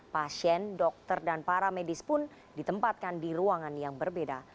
pasien dokter dan para medis pun ditempatkan di ruangan yang berbeda